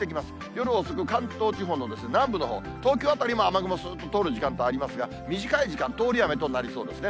夜遅く、関東地方の南部のほう、東京辺りも雨雲すーっと通る時間帯ありますが、短い時間、通り雨となりそうですね。